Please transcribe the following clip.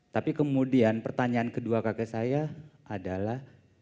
tapi kemudian pertanyaan kedua kakek saya adalah